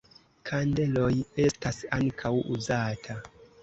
Kandeloj estas ankaŭ uzata.